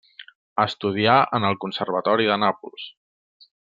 Estudià en el Conservatori de Nàpols.